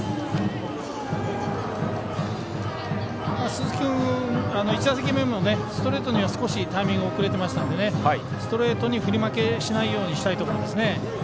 鈴木君、１打席目もストレートには少しタイミング遅れてましたのでストレートに振り負けしないようしたいところですね。